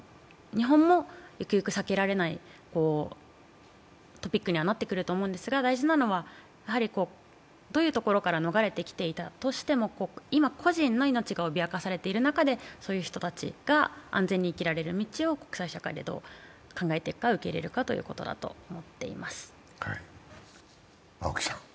日本もゆくゆく避けられないトピックになっていくと思うんですが、大事なのは、どういうところから逃れてきていたとしても、今、個人の命が脅かされている中でそういう人たちが安全に生きられる道を国際社会でどう考えていくか、受け入れるかということだと思っています。